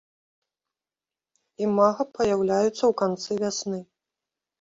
Імага паяўляюцца ў канцы вясны.